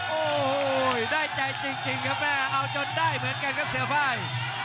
โอ้โหได้ใจจริงครับแม่เอาจนได้เหมือนกันครับเสือไฟ